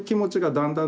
だんだん